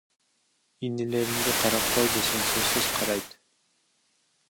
Инилериңди карап кой десең сөзсүз карайт.